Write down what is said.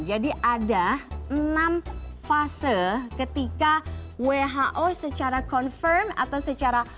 jadi ada enam fase ketika who secara confirm atau secara